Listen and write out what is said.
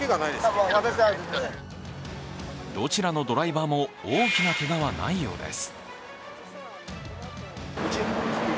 どちらのドライバーも大きなけがはないようです。